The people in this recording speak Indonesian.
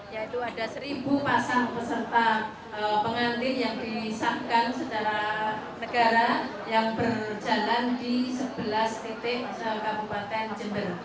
yaitu ada seribu pasang peserta pengantin yang disahkan secara negara yang berjalan di sebelas titik misalnya kabupaten jember